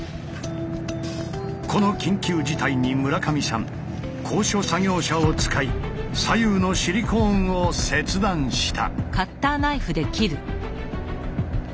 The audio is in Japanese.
この緊急事態に村上さん高所作業車を使い左右のシリコーンを切断した。